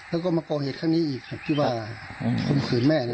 แล้วก็มาเกาะเหตุข้างนี้อีกครับกิว่าขมขืนแม่